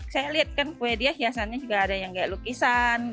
saya lihat kan kue dia hiasannya juga ada yang kayak lukisan